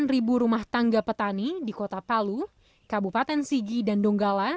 setidaknya ada delapan rumah tangga petani di kota palu kabupaten sigi dan donggala